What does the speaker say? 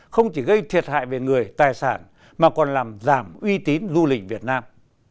không chỉ gây thiệt hại về người tài sản mà còn làm giảm uy tín du lịch việt nam